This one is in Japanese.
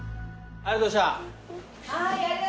ありがとうございます。